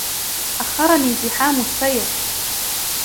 أخّرني زحام السير.